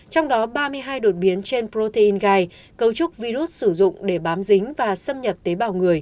trong đó ba mươi hai đột biến trên protein gai cấu trúc virus sử dụng để bám dính và xâm nhập tế bào người